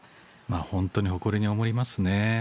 本当に誇りに思いますね。